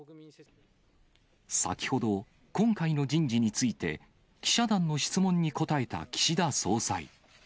先ほど、今回の人事について、記者団の質問に答えた岸田総裁。